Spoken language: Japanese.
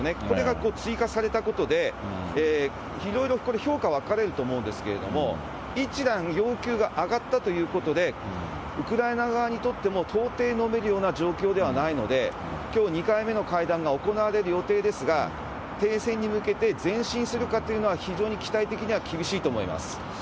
これが追加されたことで、いろいろ、これ、評価分かれると思うんですけれども、一段要求が上がったということで、ウクライナ側にとっても、到底飲めるような状況ではないので、きょう２回目の会談が行われる予定ですが、停戦に向けて前進するかというのは、非常に期待的には厳しいと思います。